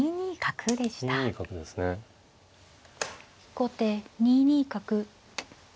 後手２二角。